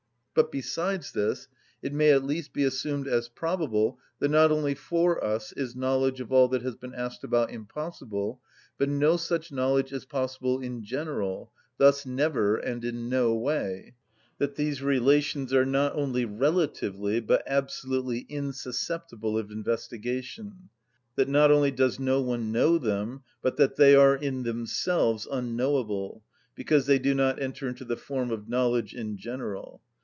But, besides this, it may at least be assumed as probable that not only for us is knowledge of all that has been asked about impossible, but no such knowledge is possible in general, thus never and in no way; that these relations are not only relatively but absolutely insusceptible of investigation; that not only does no one know them, but that they are in themselves unknowable, because they do not enter into the form of knowledge in general.